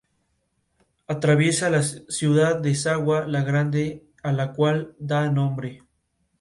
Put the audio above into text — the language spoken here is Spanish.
Atraviesa la ciudad de Sagua La Grande, a la cual da nombre.